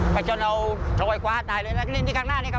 ไปจนเอาลงไปขวาตายเลยแล้วก็ลิ้นที่ข้างหน้านี้ครับ